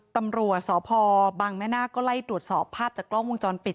ตำรวจสพบังแม่นาคก็ไล่ตรวจสอบภาพจากกล้องวงจรปิด